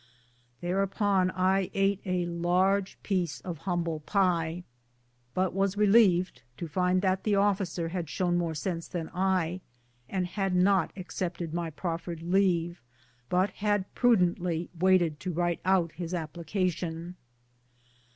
Thereupon I ate a large piece of humble pie, but was relieved to find that the officer had shown more sense than I, and had not ac cepted my proferred leave, but had prudently waited to write out his application.